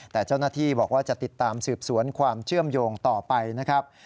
แต่เจ้าหน้าที่บอกว่าจะติดตามสืบสวนความเชื่อมโยงต่อไปนะครับ